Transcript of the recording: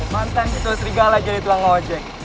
mantan gitu serigala jadi tulang nge ojek